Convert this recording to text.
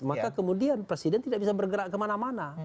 maka kemudian presiden tidak bisa bergerak kemana mana